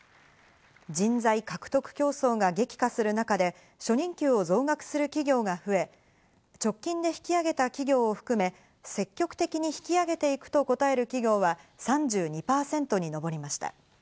人材獲得競争が激化する中で初任給を増額する企業が増え、直近で引き上げた企業を含め、積極的に引き上げていくと答える企業は３２％にのぼりました。